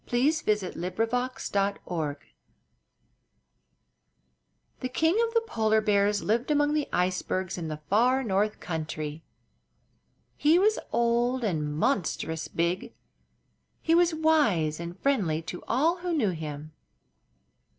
THE KING OF THE POLAR BEARS The King of the Polar Bears lived among the icebergs in the far north country. He was old and monstrous big; he was wise and friendly to all who knew him.